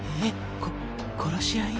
こ殺し合い？